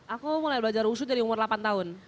aku mulai belajar wushu dari umur delapan tahun